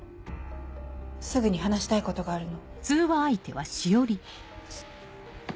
すぐに話したいことがあるの。